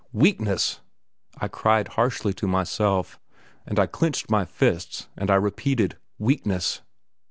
"Weakness!" I cried harshly to myself, and I clenched my fists and I repeated "Weakness!"